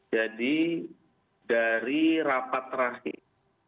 jadi dari rapat terakhir